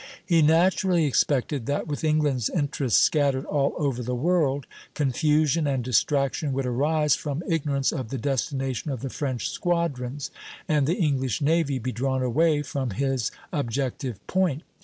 He naturally expected that, with England's interests scattered all over the world, confusion and distraction would arise from ignorance of the destination of the French squadrons, and the English navy be drawn away from his objective point.